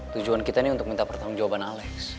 tujuan kita ini untuk minta pertanggung jawaban alex